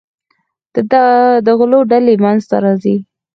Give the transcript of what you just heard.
د غلو ډلې منځته راځي.